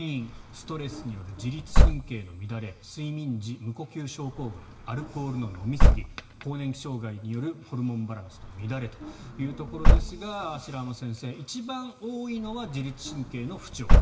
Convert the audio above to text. ストレスによる自律神経の乱れ睡眠時無呼吸症候群アルコールの飲みすぎ更年期障害によるホルモンバランスの乱れというところですが白濱先生一番多いのは自律神経の不調。